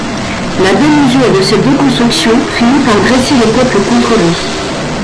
La démesure de ces deux constructions finit par dresser le peuple contre lui.